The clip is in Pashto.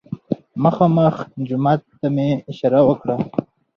مخامخ جومات ته مې اشاره وکړه.